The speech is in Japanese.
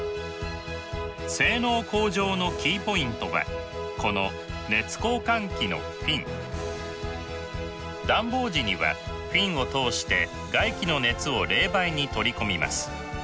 性能向上のキーポイントはこの暖房時にはフィンを通して外気の熱を冷媒に取り込みます。